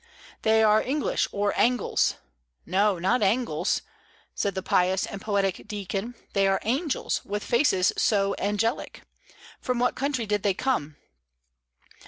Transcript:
"They are English, or Angles." "No, not Angles," said the pious and poetic deacon; "they are angels, with faces so angelic. From what country did they come?"